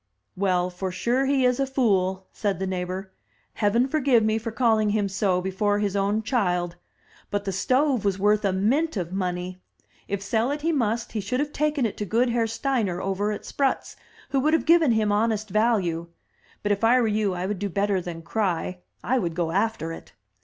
"Well, for sure he is a fool," said the neighbor. "Heaven forgive me for calling him so before his own child! but the stove was worth a mint of money. If sell it he must, he should have taken it to good Herr Steiner over at Spruz, who would have given him honest value. But if I were you I would do better than cry. I would go after it."